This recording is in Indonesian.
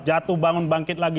jatuh bangun bangkit lagi